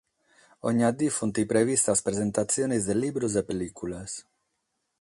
Ogna die sunt previstas presentatziones de libros e pellìculas.